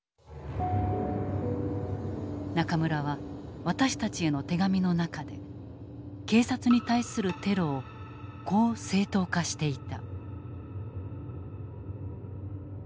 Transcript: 中村は私たちへの手紙の中で警察に対するテロをこう正当化していた。